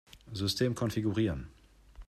System konfigurieren.